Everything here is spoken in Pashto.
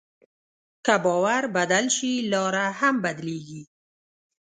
که باور بدل شي، لاره هم بدلېږي.